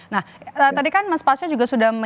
nah tadi kan mas pasyo juga sudah